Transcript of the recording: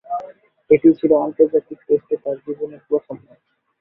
এটিই ছিল আন্তর্জাতিক টেস্টে তার জীবনের প্রথম ম্যাচ।